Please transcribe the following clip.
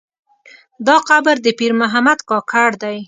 دا قبر د پیر محمد کاکړ دی.